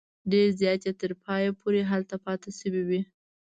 ډېر زیات یې تر پایه پورې هلته پاته شوي وي.